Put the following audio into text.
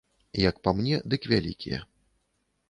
Як па мне, дык вялікія.